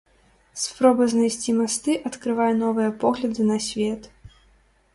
Спроба знайсці масты адкрывае новыя погляды на свет.